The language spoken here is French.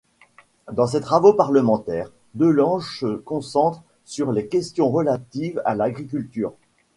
Dans ses travaux parlementaires, De Lange se concentre sur les questions relatives à l'agriculture.